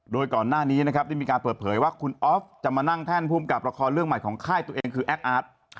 โดยก่อนหน้านี้นะครับได้มีการเปิดเผยว่าคุณออฟจะมานั่งแท่นภูมิกับละครเรื่องใหม่ของค่ายตัวเองคือแอคอาร์ต